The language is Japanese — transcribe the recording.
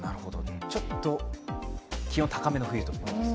ちょっと気温高めの冬ということです。